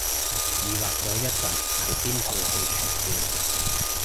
疑惑咗一陣係邊套戲劇照